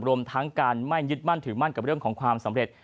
รวมทั้งการไม่ยึดมั่นถือมั่นกับเรื่องของความสำเร็จ